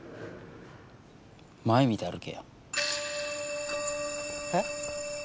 前見て歩けよ。え？